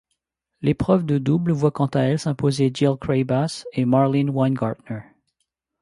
L'épreuve de double voit quant à elle s'imposer Jill Craybas et Marlene Weingartner.